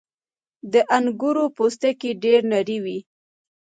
• د انګورو پوستکی ډېر نری وي.